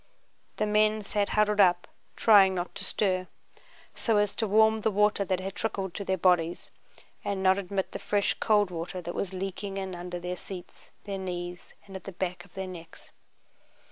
The men sat huddled up trying not to stir, so as to warm the water that had trickled to their bodies and not admit the fresh cold water that was leaking in under their seats, their knees, and at the back of their necks.